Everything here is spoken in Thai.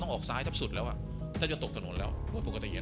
ต้องออกซ้ายทับสุดแล้วอ่ะถ้าจะตกถนนแล้วโดยปกติเนี้ย